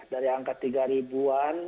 dari angka tiga ribu an